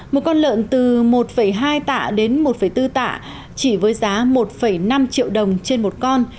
một con lợn từ một hai tạ đến một bốn tạ chỉ với giá một năm triệu đồng trên một con